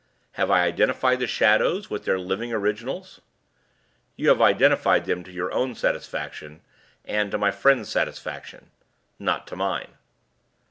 "Have I identified the shadows with their living originals?" "You have identified them to your own satisfaction, and to my friend's satisfaction. Not to mine."